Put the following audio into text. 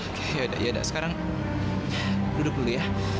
oke yaudah yaudah sekarang duduk dulu ya